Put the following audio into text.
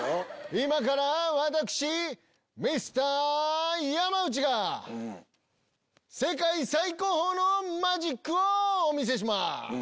今から私ミスター山内が世界最高峰のマジックをお見せします。